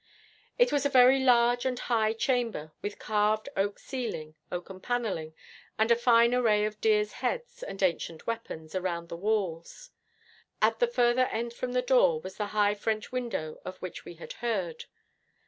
It was a very large and high chamber, with carved oak ceiling, oaken panelling, and a fine array of deer's heads and ancient weapons around the walls. At the further end from the door was the high French window of which we had heard.